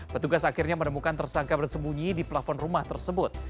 petugas akhirnya menemukan tersangka bersembunyi di plafon rumah tersebut